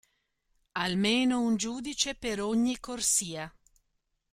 Almeno un giudice per ogni corsia.